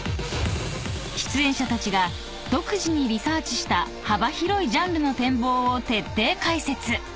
［出演者たちが独自にリサーチした幅広いジャンルの展望を徹底解説］